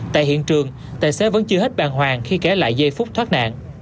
tại hiện trường tài xế vẫn chưa hết bàng hoàng khi kể lại giây phút thoát nạn